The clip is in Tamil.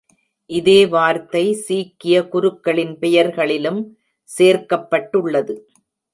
இதே வார்த்தை சீக்கிய குருக்களின் பெயர்களிலும் சேர்க்கப்பட்டுள்ளது.